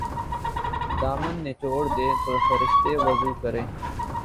دامن نچوڑ دیں تو فرشتے وضو کریں''